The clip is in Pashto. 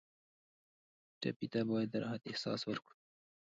ټپي ته باید د راحت احساس ورکړو.